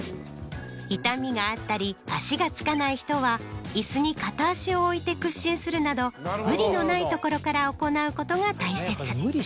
痛みがあったり足がつかない人は椅子に片足を置いて屈伸するなど無理のないところから行うことが大切。